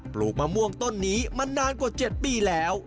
ลูกมะม่วงต้นนี้มานานกว่า๗ปีแล้ว